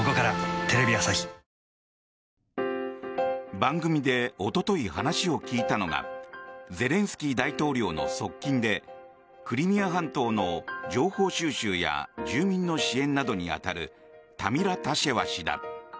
番組でおととい話を聞いたのがゼレンスキー大統領の側近でクリミア半島の情報収集や住民の支援などに当たるタミラ・タシェワ氏だ。